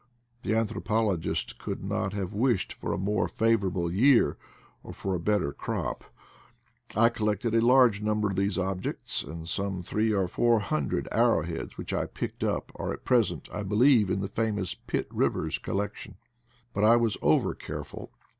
The anthropologist could not have wished for a more favorable year or for a better crop. I collected a large number of these objects ; and some three or four hundred arrow heads which I picked up are at present, I believe, in the famous Pitt Rivers collection. But I was over careful.